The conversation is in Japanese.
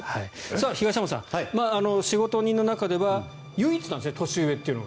東山さん、仕事人の中では唯一なんですね年上というのは。